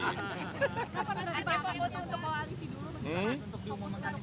kapan ada di panggilan untuk kualisi dulu